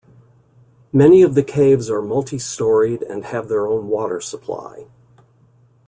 Many of the caves are multi-storied and have their own water supply.